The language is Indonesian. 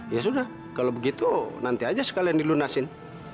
ya sudah kalau begitu nanti aja sekalian dilunasin